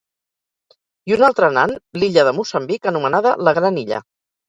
I un altre nan, l'illa de Moçambic, anomenada la gran illa.